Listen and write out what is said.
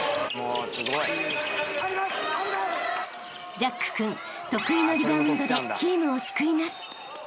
［ジャック君得意のリバウンドでチームを救います］